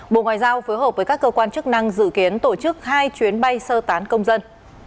bộ ngoại giao phối hợp với các cơ quan chức năng dự kiến tổ chức hai chuyến bay sơ tán công dân